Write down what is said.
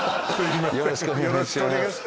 よろしくお願いします